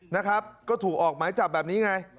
นะครับก็ถูกออกหมายจับแบบนี้ไง